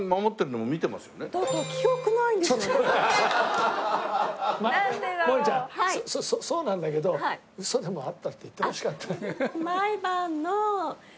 もえちゃんそうなんだけどウソでもあったって言ってほしかった。